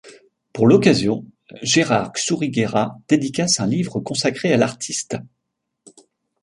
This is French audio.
Pour l'occasion, Gérard Xuriguera dédicace un livre consacré à l'artiste.